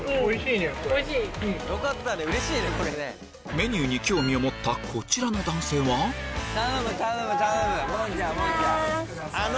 メニューに興味を持ったこちらの男性は頼む頼む頼む！